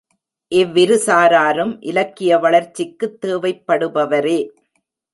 இவ்விருசாராரும் இலக்கிய வளர்ச்சிக்குத் தேவைப்படுபவரே.